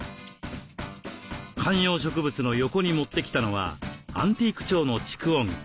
観葉植物の横に持ってきたのはアンティーク調の蓄音機。